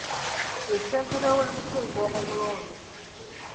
Ye ssentebe w’e Mutungo omulonde.